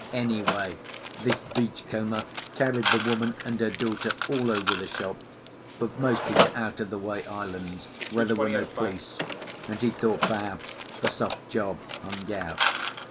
Anyway, this beachcomber carried the woman and her daughter all over the shop, but mostly to out of the way islands, where there were no police, and he thought, perhaps, the soft job hung out.